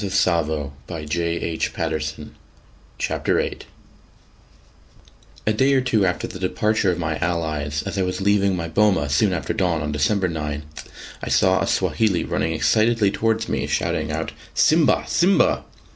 CHAPTER VIII THE DEATH OF THE FIRST MAN EATER A day or two after the departure of my allies, as I was leaving my boma soon after dawn on December 9, I saw a Swahili running excitedly towards me, shouting out "Simba! Simba!"